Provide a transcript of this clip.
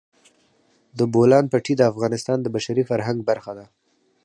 د بولان پټي د افغانستان د بشري فرهنګ برخه ده.